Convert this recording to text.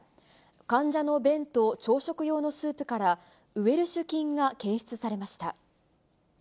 患者の便と朝食用のスープから、ウェルシュ菌が検出されました。